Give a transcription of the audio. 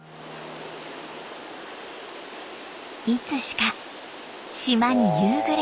いつしか島に夕暮れが。